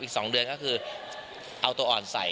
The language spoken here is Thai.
อีก๒เดือนก็คือเอาตัวอ่อนใส่